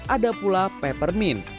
ada pula peppermint